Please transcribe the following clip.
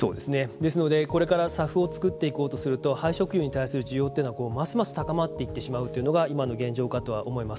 ですので、これからＳＡＦをつくっていこうとすると廃食油に対する需要というのはますます高まっていってしまうというのが今の現状かとは思います。